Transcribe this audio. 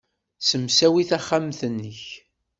Ssemsawi taxxamt-nnek.